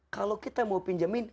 kalau kita mau pinjamin